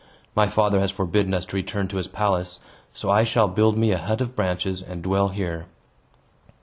My father has forbidden us to return to his palace, so I shall build me a hut of branches, and dwell here."